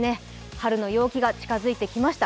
春の陽気が近づいてきました。